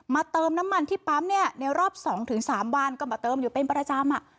เติมน้ำมันที่ปั๊มเนี่ยในรอบ๒๓วันก็มาเติมอยู่เป็นประจำอ่ะ